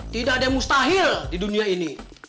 tidak ada yang mustahil di dunia ini